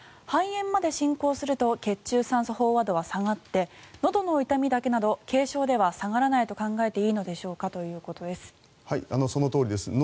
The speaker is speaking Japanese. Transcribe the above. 肺炎まで進行すると血中酸素飽和度は下がってのどの痛みだけなど軽症では下がらないと考えていいのでしょうか？ということです。